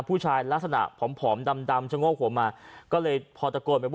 ผู้ชายลักษณะผอมดำชะงวกขวมมาก็เลยพอตะโกนไป